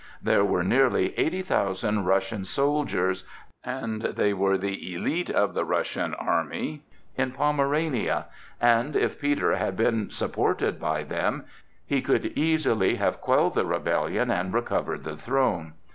There were nearly eighty thousand Russian soldiers—and they were the élite of the Russian army—in Pomerania, and if Peter had been supported by them, he could easily have quelled the rebellion and recovered the throne.